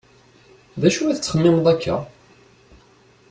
D acu i tettxemmimeḍ akka?